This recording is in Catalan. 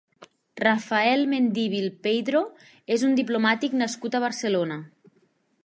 Rafael Mendívil Peydro és un diplomàtic nascut a Barcelona.